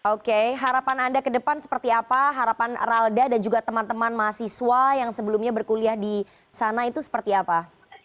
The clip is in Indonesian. oke harapan anda ke depan seperti apa harapan ralda dan juga teman teman mahasiswa yang sebelumnya berkuliah di sana itu seperti apa